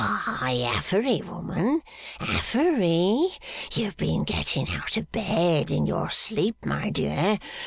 'Why, Affery, woman Affery! You have been getting out of bed in your sleep, my dear!